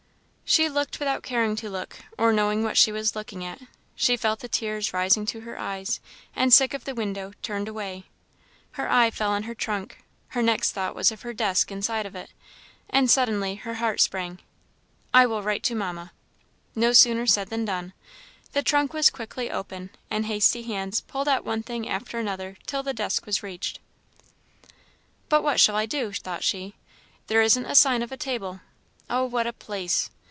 She looked without caring to look, or knowing what she was looking at; she felt the tears rising to her eyes, and, sick of the window, turned away. Her eye fell on her trunk; her next thought was of her desk inside of it; and suddenly her heart sprang "I will write to Mamma!" No sooner said than done. The trunk was quickly open, and hasty hands pulled out one thing after another till the desk was reached. "But what shall I do?" thought she "there isn't a sign of a table. Oh, what a place!